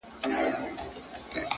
هره هڅه د راتلونکي بنسټ ږدي!.